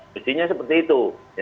mestinya seperti itu